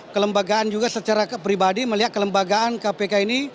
kelembagaan juga secara pribadi melihat kelembagaan kpk ini